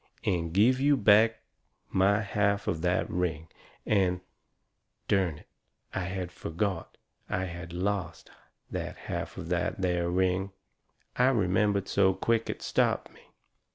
And give you back my half of that ring, and " Dern it! I had forgot I had lost that half of that there ring! I remembered so quick it stopped me.